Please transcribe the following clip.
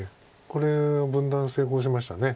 これ分断成功しました。